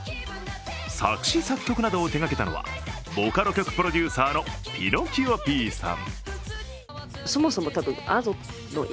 作詞・作曲などを手がけたのはボカロ曲プロデューサーのピノキオピーさん。